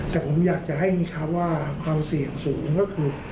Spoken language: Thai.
แต่ผมอยากจะให้มีชาวว่าความเสี่ยงสูงก็คือ